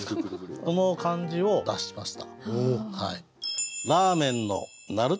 その感じを出しました。